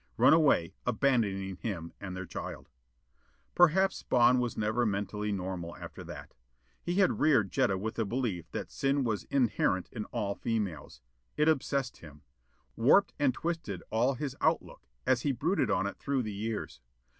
Run away, abandoning him and their child. Perhaps Spawn was never mentally normal after that. He had reared Jetta with the belief that sin was inherent in all females. It obsessed him. Warped and twisted all his outlook as he brooded on it through the years.